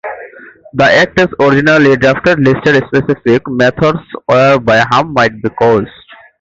The Act as originally drafted listed specific methods whereby harm might be caused.